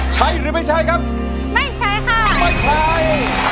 ใช้หรือไม่ใช้ครับไม่ใช้ค่ะไม่ใช้